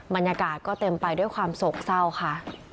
บรรยากาศก็เต็มไปด้วยความโศกเศร้าค่ะ